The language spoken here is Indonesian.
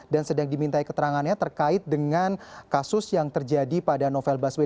dan sedang diminta keterangannya terkait dengan kasus yang terjadi di jawa